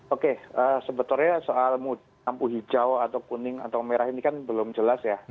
oke sebetulnya soal lampu hijau atau kuning atau merah ini kan belum jelas ya